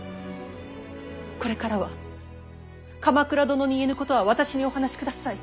これからは鎌倉殿に言えぬことは私にお話しください。